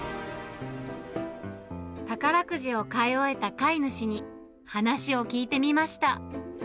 宝くじを買い終えた飼い主に話を聞いてみました。